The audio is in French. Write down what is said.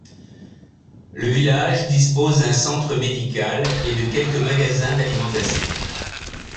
Le village dispose d'un centre médical et de quelques magasins d'alimentation.